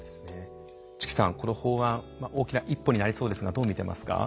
チキさんこの法案大きな一歩になりそうですがどう見てますか？